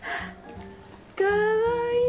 かわいい！